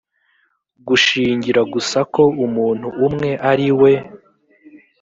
gushingira gusa ko umuntu umwe ari we